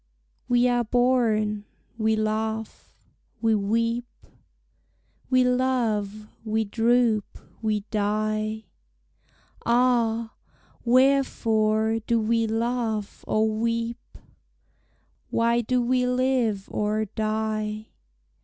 We are born; we laugh; we weep; We love; we droop; we die! Ah! wherefore do we laugh or weep? Why do we live or die?